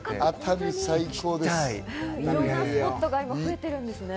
いろんなスポットが増えてるんですね。